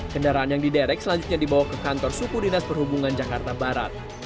kendaraan yang diderek selanjutnya dibawa ke kantor suku dinas perhubungan jakarta barat